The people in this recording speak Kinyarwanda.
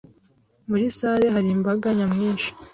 Muri salle hari imbaga nyamwinshi.